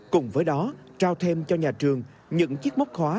cùng với đó trao thêm cho nhà trường những chiếc móc khóa